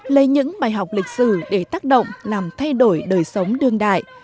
lấy những bài học lịch sử để tác động làm thay đổi đời sống đương đại